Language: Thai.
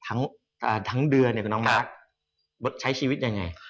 โถงเดือนทั้งเดือนเนี่ยน้องมักใช้ชีวิตอย่างไง